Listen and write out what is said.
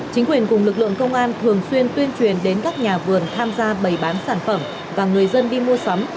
chính quyền cùng lực lượng công an thường xuyên tuyên truyền đến các nhà vườn tham gia bày bán sản phẩm và người dân đi mua sắm